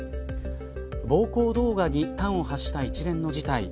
暴行動画に端を発した一連の事態。